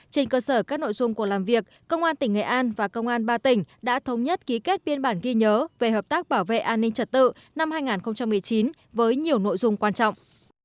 trên cơ sở các nội dung của làm việc công an tỉnh nghệ an và công an ba tỉnh đã thống nhất ký kết biên bản ghi nhớ về hợp tác bảo vệ an ninh trật tự năm hai nghìn một mươi chín với nhiều nội dung quan trọng